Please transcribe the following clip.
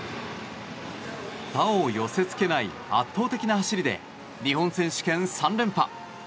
他を寄せ付けない圧倒的な走りで日本選手権３連覇。